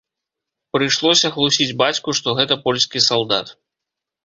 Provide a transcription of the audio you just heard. Прыйшлося хлусіць бацьку, што гэта польскі салдат.